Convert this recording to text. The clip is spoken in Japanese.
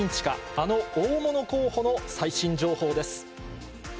あの大物候補の最新情報です。